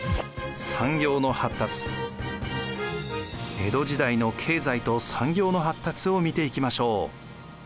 江戸時代の経済と産業の発達を見ていきましょう。